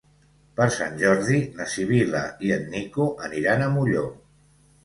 Per Sant Jordi na Sibil·la i en Nico aniran a Molló.